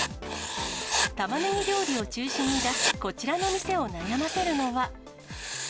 たまねぎ料理を中心に出すこちらの店を悩ませるのは。